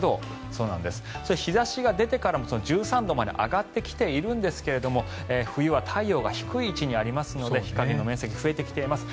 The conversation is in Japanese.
日差しが出てからも１３度まで上がってきているんですが冬は太陽が低い位置にありますので日陰の面積が増えてきています。